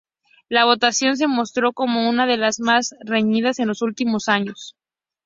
La votación se mostró como una de las más reñidas en los últimos años.